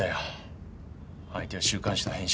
相手は週刊誌の編集長だ。